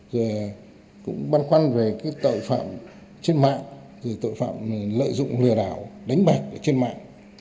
rồi cũng băn khoăn về tội phạm trên mạng tội phạm lợi dụng lừa đảo đánh bạc trên mạng